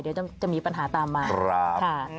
เดี๋ยวจะมีปัญหาตามมา